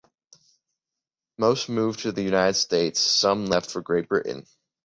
Most moved to the United States, some left for Great Britain.